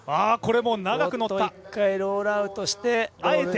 １回ロールアウトして。